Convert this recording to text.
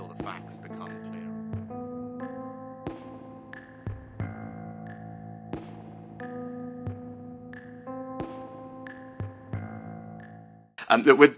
apa yang kita ingin lihat adalah